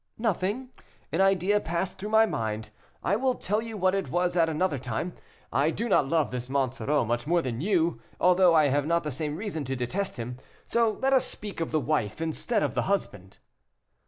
"Nothing; an idea passed through my mind; I will tell you what it was at another time. I do not love this Monsoreau much more than you, although I have not the same reason to detest him, so let us speak of the wife instead of the husband."